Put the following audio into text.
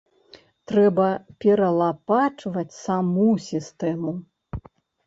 Трэба пералапачваць саму сістэму.